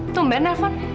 tunggu bener nelfon